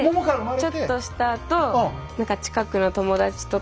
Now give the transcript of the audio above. ちょっとしたあと「近くの友達と」。